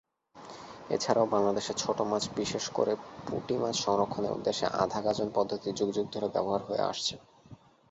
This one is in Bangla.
এছাড়াও বাংলাদেশের ছোট মাছ বিশেষ করে পুঁটি মাছ সংরক্ষণের উদ্দেশ্যে আধা-গাজন পদ্ধতি যুগ যুগ ধরে ব্যবহার হয়ে আসছে।